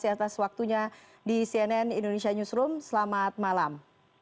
terima kasih atas waktunya di cnn indonesia newsroom selamat malam